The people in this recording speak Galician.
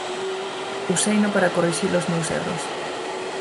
Useino para corrixir os meus erros".